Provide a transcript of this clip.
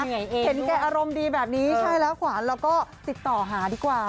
เห็นแกอารมณ์ดีแบบนี้ใช่แล้วขวานเราก็ติดต่อหาดีกว่า